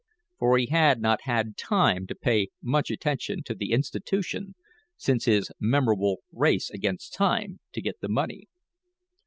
for he had not had time to pay much attention to the institution since his memorable race against time, to get the money.